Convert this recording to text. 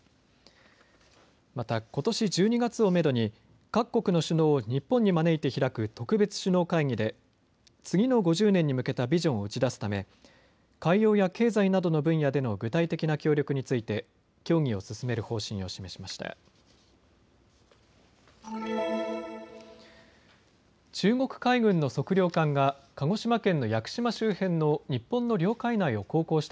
またことし１２月をめどに各国の首脳を日本に招いて開く特別首脳会議で次の５０年に向けたビジョンを打ち出すため海洋や経済などの分野での具体的な協力について協議を進める方針を示しました。